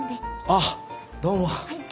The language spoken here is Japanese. あどうも。